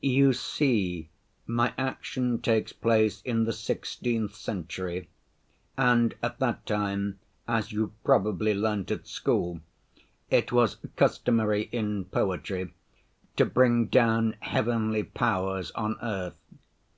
You see, my action takes place in the sixteenth century, and at that time, as you probably learnt at school, it was customary in poetry to bring down heavenly powers on earth.